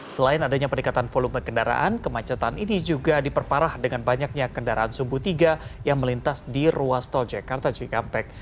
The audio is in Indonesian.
selain adanya peningkatan volume kendaraan kemacetan ini juga diperparah dengan banyaknya kendaraan sumbu tiga yang melintas di ruas tol jakarta cikampek